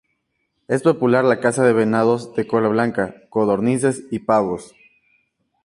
Es popular la caza de venados de cola blanca, codornices y pavos.